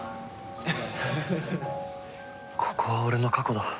ここは俺の過去だ。